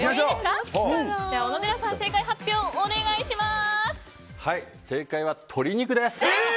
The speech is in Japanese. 小野寺さん、正解発表をお願いします。